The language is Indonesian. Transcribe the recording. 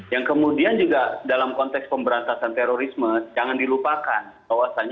yang kemudian juga dalam konteks pemberantasan terorisme jangan dilupakan bahwasannya